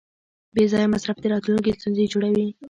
بېځایه مصرف د راتلونکي ستونزې جوړوي.